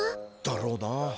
だろうな。